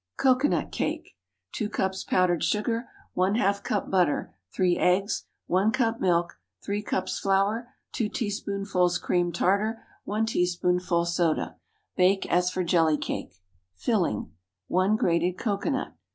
COCOANUT CAKE. ✠ 2 cups powdered sugar. ½ cup butter. 3 eggs. 1 cup milk. 3 cups flour. 2 teaspoonfuls cream tartar. 1 teaspoonful soda. Bake as for jelly cake. Filling. 1 grated cocoanut.